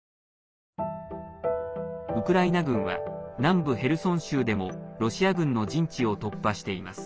ウクライナ軍は南部ヘルソン州でもロシア軍の陣地を突破しています。